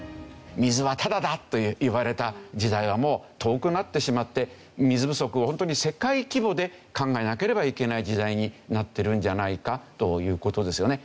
水はタダだと言われた時代はもう遠くなってしまって水不足を本当に世界規模で考えなければいけない時代になっているんじゃないかという事ですよね。